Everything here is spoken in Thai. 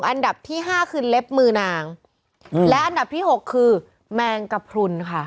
อันดับที่ห้าคือเล็บมือนางและอันดับที่หกคือแมงกระพรุนค่ะ